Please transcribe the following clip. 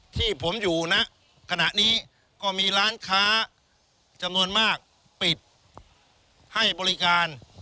ที่ผมอยู่ณขณะนี้ก็มีร้านค้าจำนวนมากปิดให้บริการ